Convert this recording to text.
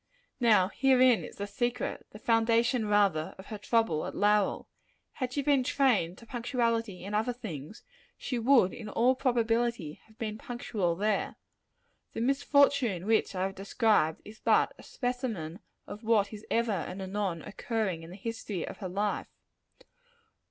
Now herein is the secret the foundation, rather of her trouble at Lowell. Had she been trained to punctuality in other things, she would, in all probability, have been punctual there. The misfortune which I have described, is but a specimen of what is ever and anon occurring in the history of her life.